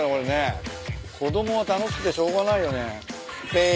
子供は楽しくてしょうがないよね。